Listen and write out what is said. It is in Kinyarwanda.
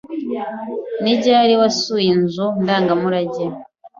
Ni ryari wasuye inzu ndangamurage?